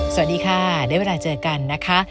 สวัสดีค่ะได้เวลาเจอกันนะคะ